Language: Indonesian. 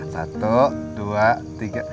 satu dua tiga